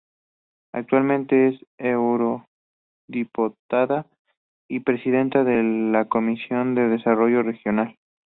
Actualmente es eurodiputada y presidenta de la Comisión de Desarrollo Regional.